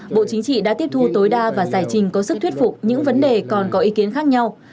bộ chính trị đã tiếp thu tối đa và giải trình có sức thuyết phục những vấn đề còn có ý kiến khác nhau